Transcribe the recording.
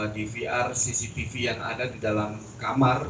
dvr cctv yang ada di dalam kamar